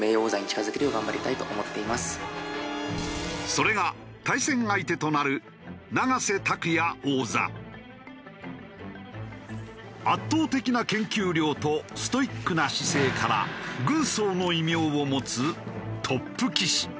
それが対戦相手となる圧倒的な研究量とストイックな姿勢から「軍曹」の異名を持つトップ棋士。